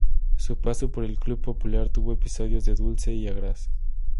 Su paso por el club popular tuvo episodios de dulce y agraz.